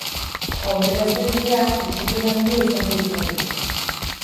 Aurrera ez egitea etsipen handia izango litzateke.